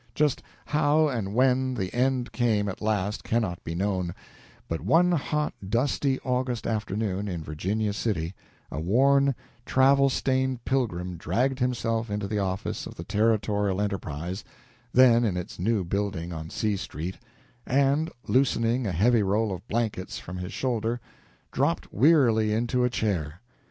Just how and when the end came at last cannot be known; but one hot, dusty August afternoon, in Virginia City, a worn, travel stained pilgrim dragged himself into the office of the "Territorial Enterprise," then in its new building on C Street, and, loosening a heavy roll of blankets from his shoulder, dropped wearily into a chair.